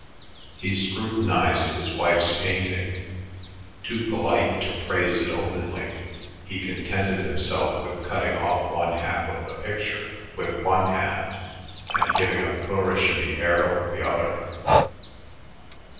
He scrutinised his wife's painting. Too polite to praise it openly, he contented himself with cutting off one half of the picture with one hand, and giving a flourish in the air with the other.